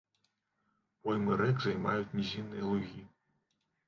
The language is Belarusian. Поймы рэк займаюць нізінныя лугі.